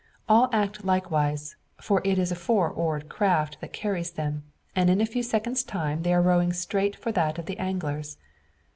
All act likewise, for it is a four oared craft that carries them; and in a few seconds' time they are rowing it straight for that of the angler's.